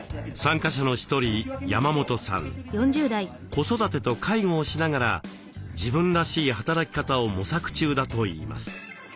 子育てと介護をしながら自分らしい働き方を模索中だといいます。